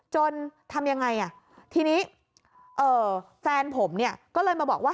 จนทำยังไงทีนี้แฟนผมก็เลยมาบอกว่า